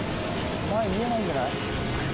前見えないんじゃない？